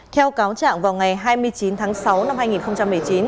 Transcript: theo cáo trạng vào ngày hai mươi chín tháng sáu năm hai nghìn một mươi chín